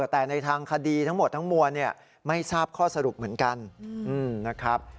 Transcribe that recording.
แต่ในทางคดีทั้งหมดทั้งมวลไม่ทราบข้อสรุปเหมือนกันนะครับ